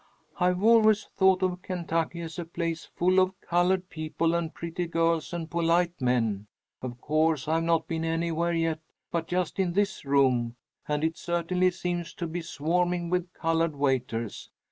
I've always thought of Kentucky as a place full of colored people and pretty girls and polite men. Of course I've not been anywhere yet but just in this room, and it certainly seems to be swarming with colored waiters.